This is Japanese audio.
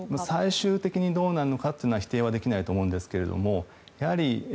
最終的にどうなるのかは否定はできないと思うんですけれども。